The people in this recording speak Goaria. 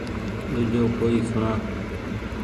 ۮوجو ڪوئي سوڻآ